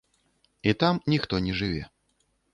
І там ніхто не жыве.